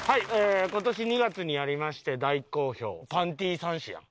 今年２月にやりまして大好評パンティ３種やん。